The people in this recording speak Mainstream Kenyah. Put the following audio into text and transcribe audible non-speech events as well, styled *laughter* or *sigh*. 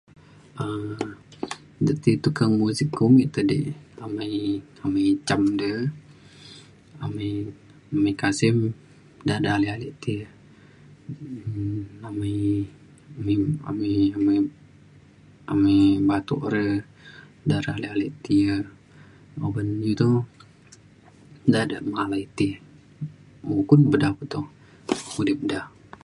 um dek ti tukang musik ke umik te dik um amai icam de amai amai kasim, da de' alik alik te um amai amai amai amai amai batuk re da de' alik alik te e. oban iu to da de' malai ti e. mukun pe da pe to *noise* udip da.